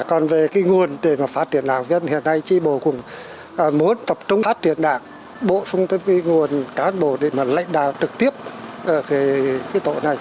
còn về cái nguồn để phát triển đảng viên hiện nay tri bộ cũng muốn tập trung phát triển đảng bộ xung tâm cái nguồn cán bộ để lệnh đạo trực tiếp ở cái tổ này